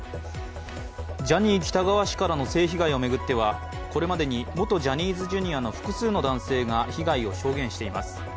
ジャニー喜多川氏からの性被害を巡っては、これまでに元ジャニーズＪｒ．の複数の男性が被害を証言しています。